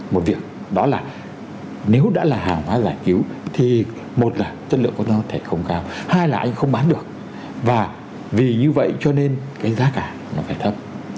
một việc đó là nếu đã là hàng hóa giải cứu thì một là chất lượng của nó thể không cao hai là anh không bán được và vì như vậy cho nên cái giá cả nó phải thấp